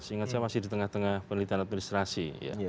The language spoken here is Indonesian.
seingat saya masih di tengah tengah penelitian administrasi